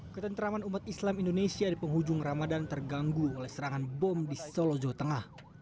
ketentraman umat islam indonesia di penghujung ramadan terganggu oleh serangan bom di solo jawa tengah